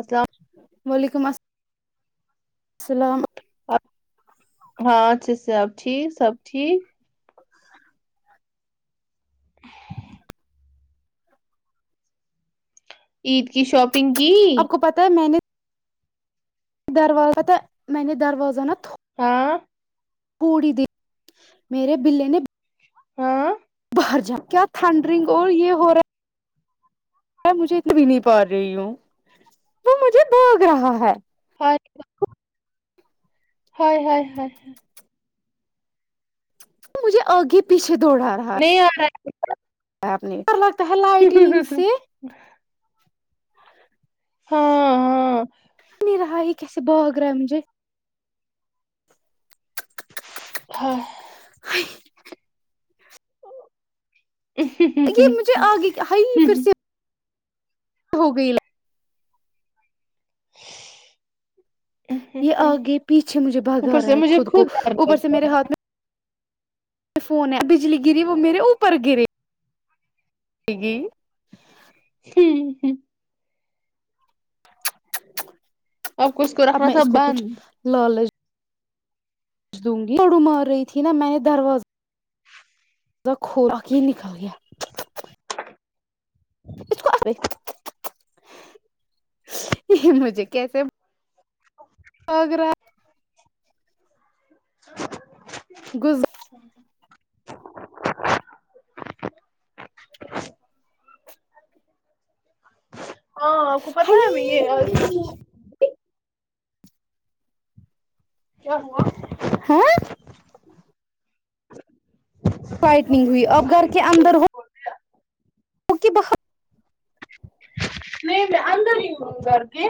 السلام ہ [inaudible] وعلیکم السلام اللام [inaudible] ہاں اچھا سب ٹھیک سب ٹھیک عید کی شب آپ کو پتا ہے میں نے دروازہ میاننی درواز نت ہاں [inaudible] پڑی دن میرے بے نے ہاں [inaudible] خر جا کیا تھنڈ ڈرنک اور یہ ہو رہا ہے میں مجھے ات بھی نہیں پا رہی ہوں وہ مجھے بھاگ رہا ہے [inaudible] مجھے آگے پیچھے نہیں آ رہا ہے آپنی [inaudible] ار لگتا ہےلہ آٹگ ہے سے ہاں ہاں نہیں رہا ہے کہےسے باغگر رمجے ہاں [inaudible] ہ یہ مجھے آگے ہائی ہ پھر سے ہو گئی ل [unintelligible] یہ آگے پیچھے مجھے اوپر بھگا رہا سے ہے مجھے خود کو ڈر اوپر سے لگتا میرے ہاتھ میں فون ہے بجلی گری وہ میرے اوپر گرے جگ ہے اب کو اس کو اب رکھنا میں تھا اس کو کچھ بند پج دوں گی جڑو مار رہی تھی نا میں نے دروازہ ا کا کوور کی نکل گیا ہ [unintelligible] یہ مجھے کیسےگ رہا [unintelligible] غز [unintelligible] ہاں کو پت ہے یہ کیا ہوا ہاں بچوں فائٹنگ کی ہوئی دیدی اب گھر آئی کے تھی اندر ہو اک بہ نہیں میں اندر ہی ہووں کر کے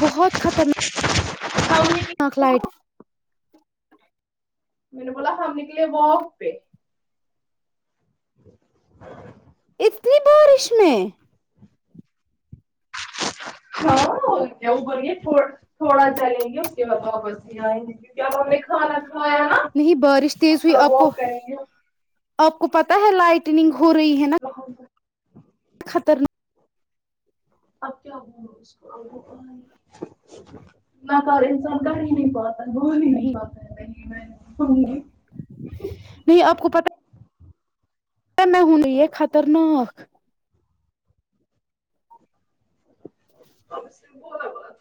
بہت خطرناک ہم نکلے ہ کلائٹ میں نے بولا ہم نکلے واک پہ ہاں اتنی بارش میں ہاں کیا وہ بولے تھوڑا چلیں گے اس کے بعد آپس یہ آئیں گے کیونکہ اب ہم نے کھانا کھایا نا نہیں بارش اب تیز ہوئی تھوڑا آپ کو واک کریں گے آپ کو پتا ہے لائٹنگ ہو رہی ہے نا خطرناک اب کیا بولو اس کو نہ کہ انسان کہ ہی نہیں پاتا بول ہی نہیں پاتا ہے نہیں میں بھوں گی نہ ہوون خطنااک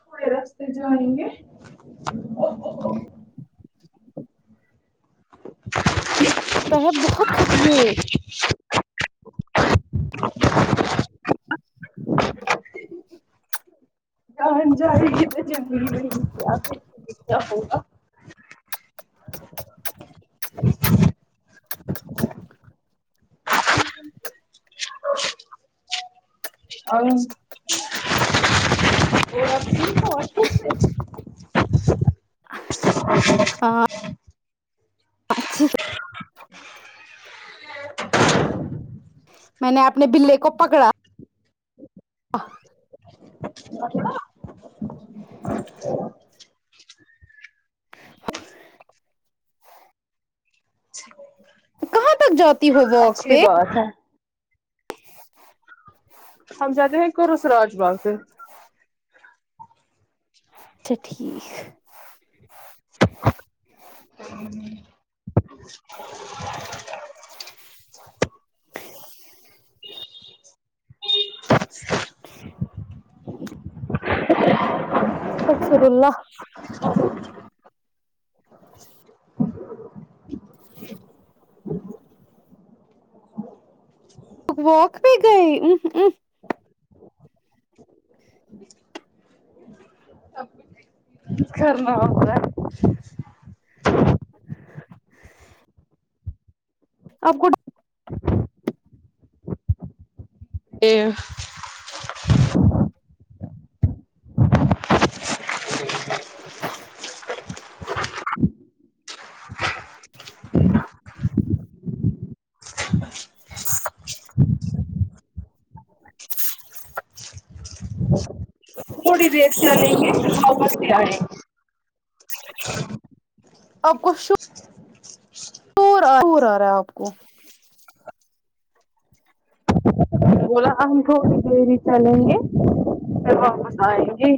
تھوڑے رستے جائیں گے تحب بہت کطے ب جاری کی تو جنی نہیں کیا ہوگا [unintelligible] اور [unintelligible] [inaudible] اچھی میں نے اپنے بے کو پکڑا ٹھیک تک جاتی ہو واک پہ ہے ہم جاتے ہیں کرسراج باغ سے اچھا ٹھیک ہ [inaudible] [inaudible] [inaudible] اکثر اللہ [inaudible] ل واک بھیہ گئے ا ا کرنا ہوا [inaudible] آپ کو [inaudible] [inaudible] نوڑیے اتر ال ہت سؤ بستی آڑے آب کو ش ٹور آ رہا ہے آپ کو بولا ہم تھوڑی دری چلیں گے پھر واپس آئیں گے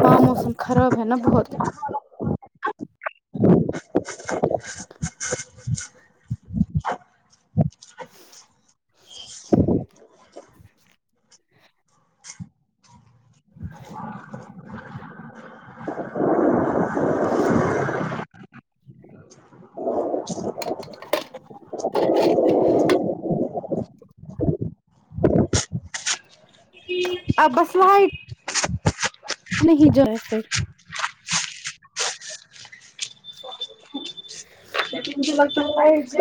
ہاں موسم خراب ہے نا بہت [inaudible] [inaudible] ابسلحائی نہیں جائے پھر ے فقت وائٹ ج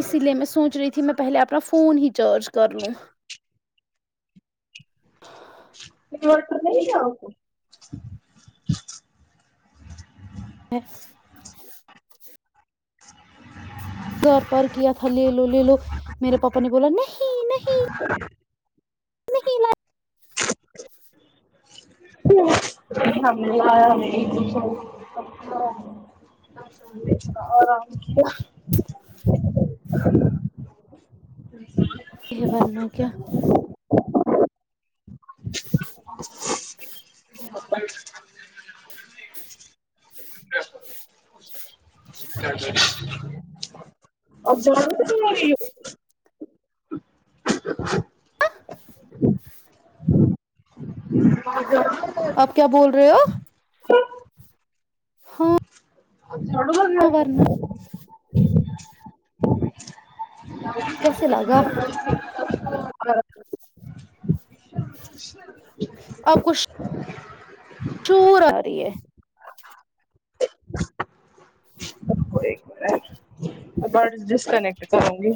اسی لیے میں سوچ رہی تھی میں پہلے اپنا فون ہی چارج کر لوں ر نہیں ہے کو [inaudible] گھر پرار کیا تھا لے لو لے لو میرے پاپا نے بولا نہیں نہیں ہم نے آ آرام کیا یہ ورنہ کیا [inaudible] [inaudible] اور ج تو تو مریی [inaudible] آپ کیا بول رہے ہو [inaudible] چوڑو گ ورنہ [inaudible] کیسے لگا [unintelligible] اور کچھ چور آ رہی ہے ب ڈسکنیکٹ کروں گی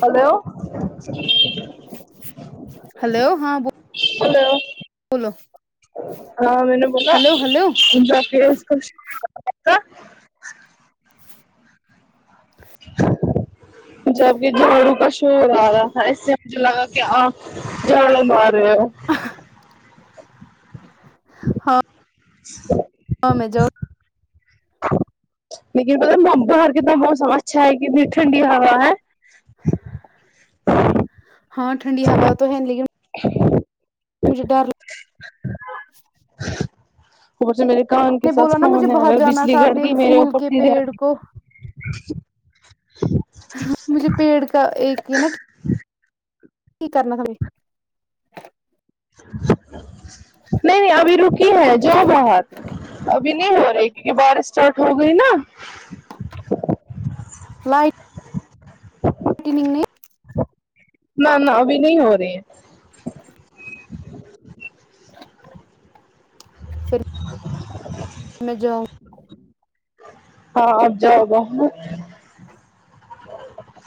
ہیلو ہلو ہاں ب ہیلو بولو ہلو ہلو [unintelligible] جب کہ جاڑو کاش آ رہا ای سے مجھ لگا کہ آ جاڈو مار رہے ہو ہاں ہاں میں جاڈو لیکن پ باہر کتنا موسم اچھا ہے کتنی ٹھنڈی ہوا ہے ہاں ٹھنڈی ہوا تو ہے لیکن مجھے ڈر ل خ سے میرری کان کے ساتھ نا مجھے فون ہے باہر اگر جانا بجلی تھا گھٹ اپنے گئی ایک میرے پھول اوپر کے سیدھے پیڑ کو مجھے پیڑ کا ایک یہ نا کی کرنا تھایں ہ [inaudible] نہیں نہیں ابھی رکی ہے جؤ بہر ابھی نہیں ہو رہی کیونکہ بارش اسٹارٹ ہو گئی نا لائ نگ نے نہ نہ ابھی نہیں ہو رہی ہے [unintelligible] پھر میں جاؤں ہاں آب جاؤ گا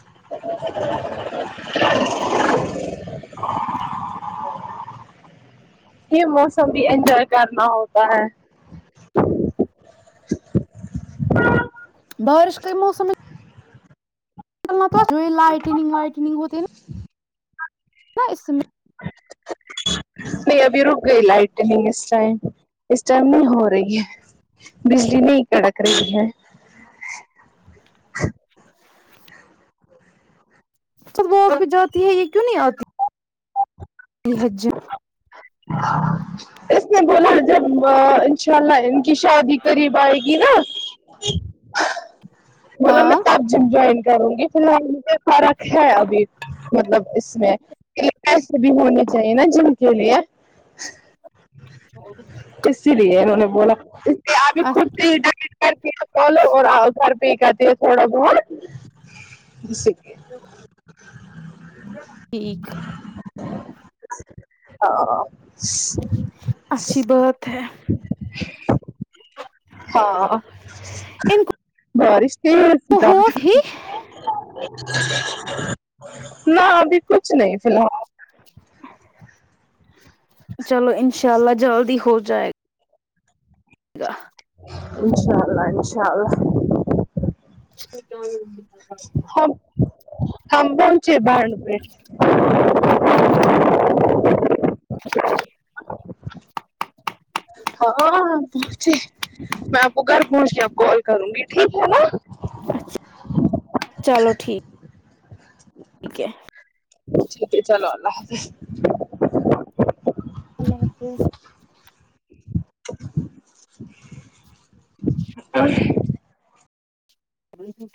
[unintelligible] یہ موسم بھی انجوائے کرنا ہوتا ہے بارش کےئی موسم میں چنا جو لائٹنگ وائٹنگ ہوتے نا ہ اس میں نہیں ابھی رک گئی لائٹ نہیں اس ٹائم اس ٹائم نہیں ہو رہی ہے بجلی نہیں کڑک رہی ہے س ب [inaudible] جاتی ہے یہ کیوں نہیں آتی یہ حج اس نے بولا جب ان شاء اللہ کہ شادی کرریب آئے گی نا ج ہاں کروں گی فی الحال م فرق ہے ابھی مطلب اس میں ایسے بھی ہونے چاہیے نا جن کے لیے اچھا ا نوںون بوول خود کر چو اور گھر پی کر د ہے تھوڑا بہت د [inaudible] ٹھیک ہاں اچھی بات ہے ان کو [unintelligible] کی ہو بھی تو نہ ابھی کچھ نہیں فی الحال چلو ان شاء اللہ جلد ہی ہو جائے گا اا انشاء اللہ انشاء اللہ ٹھیک ہے ہاں ہم چ بار ن پیٹ ہاں پہنچے میں آپ کو گھر پہنچ کے آپ کال کروں گی ٹھیک ہے نا اچھا چلو ٹھیک ہے اچیک چلو اللہ حافظ اللہ حافظ [inaudible] ہاں [unintelligible]